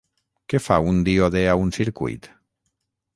Què fa un díode a un circuit?